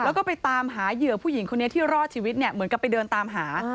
แล้วก็ไปตามหาเหยื่อผู้หญิงคนนี้ที่รอดชีวิตเนี่ยเหมือนกับไปเดินตามหา